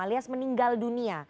alias meninggal dunia